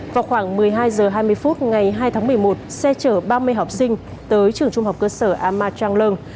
vào khoảng một mươi hai h hai mươi phút ngày hai tháng một mươi một xe chở ba mươi học sinh tới trường trung học cơ sở amatang leung